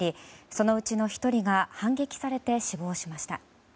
そのうちの１人が反撃されて死亡しました。